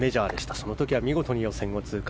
その時は見事に予選通過。